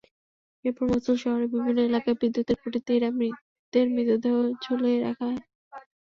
এরপর মসুল শহরের বিভিন্ন এলাকায় বিদ্যুতের খুঁটিতে এঁদের মৃতদেহ ঝুলিয়ে রাখা হয়।